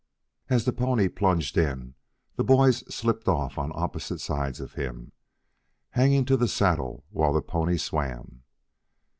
As the pony plunged in the boys slipped off on opposite sides of him, hanging to the saddle while the pony swam.